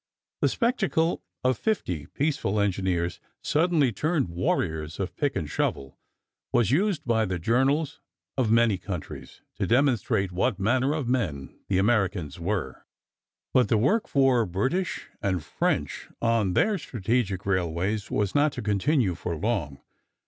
The spectacle of fifty peaceful engineers suddenly turned warriors of pick and shovel was used by the journals of many countries to demonstrate what manner of men the Americans were. But the work for British and French, on their strategic railways, was not to continue for long.